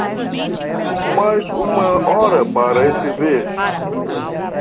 Mais uma hora para escrever.